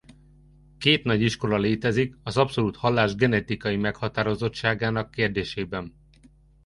Két nagy iskola létezik az abszolút hallás genetikai meghatározottságának kérdésében.